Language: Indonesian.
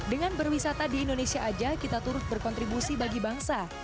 dengan berwisata di indonesia aja kita turut berkontribusi bagi bangsa